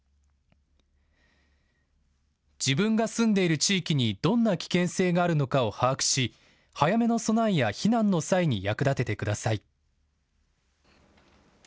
自分が住んでいる地域にどんな危険性があるのかを把握し、早めの備えや避難の際に役立ててください。